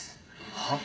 はっ？